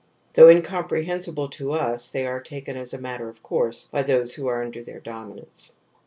Though incomprehensible to us they are taken as a matter of course by those who are under their dominance.